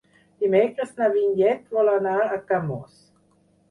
Dimecres na Vinyet vol anar a Camós.